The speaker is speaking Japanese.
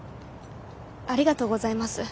ありがとうございます。